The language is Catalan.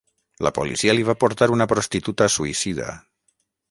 La policia li va portar una prostituta suïcida.